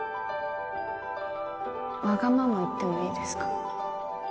わがまま言ってもいいですか？